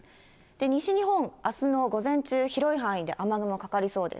西日本、あすの午前中、広い範囲で雨雲かかりそうです。